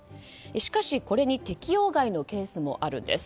しかしこれに適用外のケースもあるんです。